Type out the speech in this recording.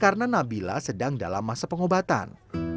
karena nabilah sedang dalam masa pengobatan